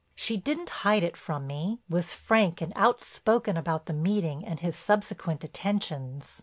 "She didn't hide it from me, was frank and outspoken about the meeting and his subsequent attentions.